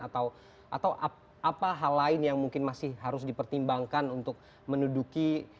atau apa hal lain yang mungkin masih harus dipertimbangkan untuk menuduki